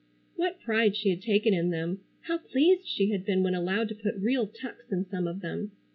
What pride she had taken in them! How pleased she had been when allowed to put real tucks in some of them!